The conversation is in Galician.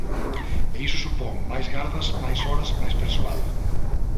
E iso supón, máis gardas, máis horas, máis persoal.